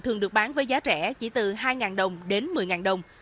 thường được bán với giá rẻ chỉ từ hai đồng đến một mươi đồng